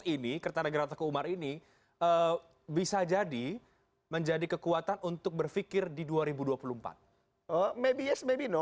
ini kertanegara teku umar ini bisa jadi menjadi kekuatan untuk berpikir di dua ribu dua puluh empat